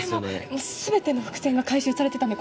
もう全ての伏線が回収されてたね